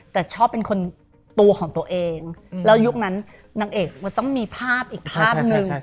แต่ชอบเป็นคนตัวของตัวเองแล้วยุคนั้นนางเอกมันต้องมีภาพอีกภาพหนึ่ง